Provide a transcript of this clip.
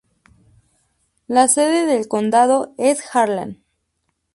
La sede del condado es Harlan.